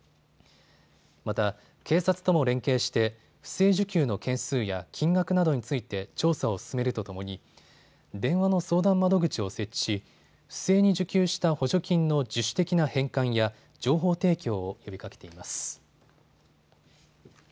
また警察とも連携して不正受給の件数や金額などについて調査を進めるとともに電話の相談窓口を設置し不正に受給した補助金の自主的な返還や情報提供を呼びかけています。